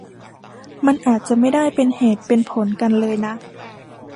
มันอาจจะไม่ได้เป็นเหตุเป็นผลกันเลยนะ